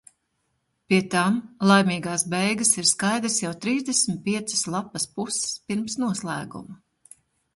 Pie tam laimīgās beigas ir skaidras jau trīsdesmit piecas lapas puses pirms noslēguma.